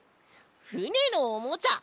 ふねのおもちゃ！